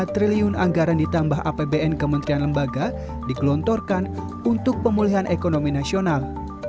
tiga ratus sembilan puluh lima triliun anggaran ditambah apbn kementerian lembaga dikelontorkan untuk pemulihan ekonomi nasional